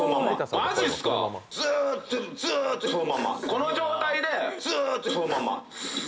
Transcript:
この状態でずっとそのまま。